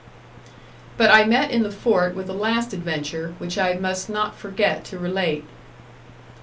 But I met in the fort with a last adventure, which I must not forget to relate.